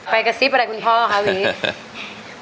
กระซิบอะไรคุณพ่อคะวี